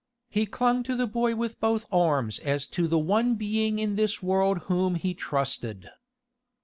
He clung to the boy with both arms as to the one being in this world whom he trusted.